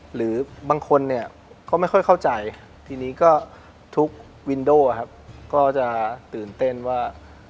หรือบางคนก็ไม่ค่อยเข้าใจทีนี้ทุกวินโด้ก็จะตื่นเต้นว่า